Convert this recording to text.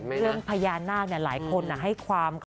พูดถึงเรื่องพญานาธิ์เนี่ยหลายคนนะให้ความ